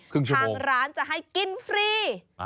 ทางร้านจะให้กินฟรี